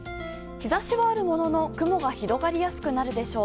日差しはあるものの雲が広がりやすくなるでしょう。